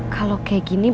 kalau kayak gini